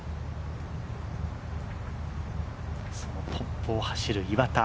そのトップを走る岩田。